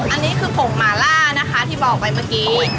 อันนี้คือผงหมาล่านะคะที่บอกไปเมื่อกี้